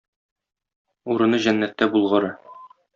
Урыны җәннәттә булгыры!